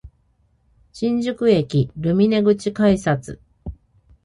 新宿駅ルミネ口改札